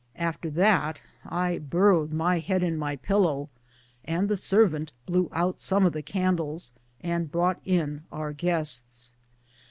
After that I burrowed my head in my pillow, and the servant blew out some of the candles and brought in our guests.